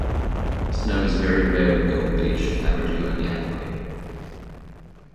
Snow is very rare in Gold Beach, averaging only annually.